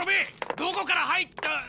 どこから入った。